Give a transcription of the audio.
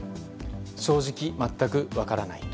正直全く分からないと。